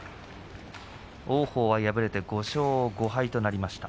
王鵬は敗れて５勝５敗となりました。